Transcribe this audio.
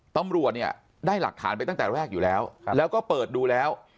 ตำรวจเนี่ยได้หลักฐานไปตั้งแต่แรกอยู่แล้วแล้วก็เปิดดูแล้ว